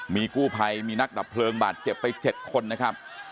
มีกู้ภัยมีนักดับเพลิงบาดเจ็บไป๗คนนะครับ